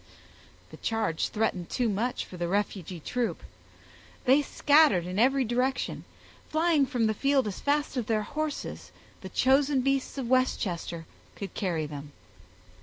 The charge threatened too much for the refugee troop. They scattered in every direction, flying from the field as fast as their horses, the chosen beasts of Westchester, could carry them.